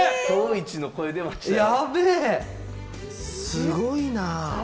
すごいなあ！